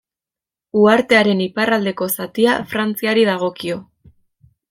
Uhartearen iparraldeko zatia Frantziari dagokio.